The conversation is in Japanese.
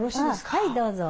はいどうぞ。